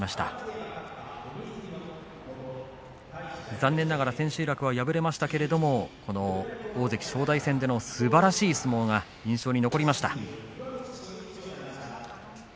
残念ながら千秋楽は敗れましたけれど大関正代戦でのすばらしい相撲が印象に残りました。